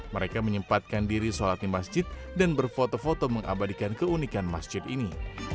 mereka menyempatkan diri sholat di masjid dan berfoto foto mengabadikan keunikan masjid ini